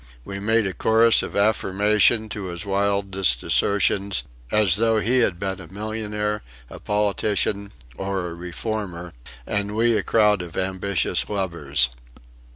We made a chorus of affirmation to his wildest assertions, as though he had been a millionaire, a politician, or a reformer and we a crowd of ambitious lubbers.